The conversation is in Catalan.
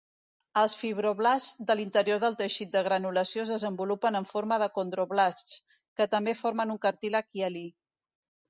Els fibroblasts de l'interior del teixit de granulació es desenvolupen en forma de condroblasts, que també formen un cartílag hialí.